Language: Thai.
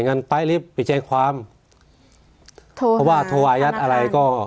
งั้นไปรีฟปิดแจ้งความโทรหาโทรหายัดอะไรก็